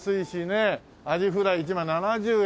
アジフライ１枚７０円。